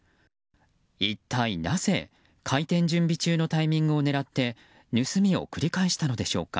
一体なぜ開店準備中のタイミングを狙って盗みを繰り返したのでしょうか。